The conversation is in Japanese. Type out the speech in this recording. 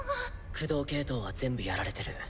駆動系統は全部やられてる。